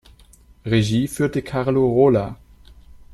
Regie führte Carlo Rola.